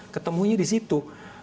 ketemunya di situ